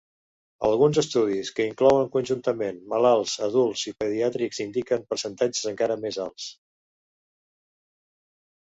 Alguns estudis que inclouen conjuntament malalts adults i pediàtrics indiquen percentatges encara més alts.